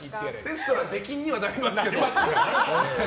レストラン出禁にはなりますけど。